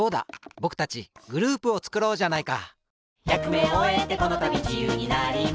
ぼくたちグループをつくろうじゃないか！